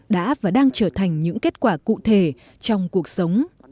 đã và đang trở thành những kết quả cụ thể trong cuộc sống